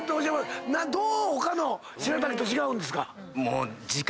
どう他のしらたきと違うんですか？